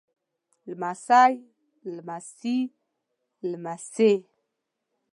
لمسی لمسي لمسې